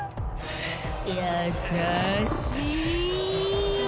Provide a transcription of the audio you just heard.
優しい。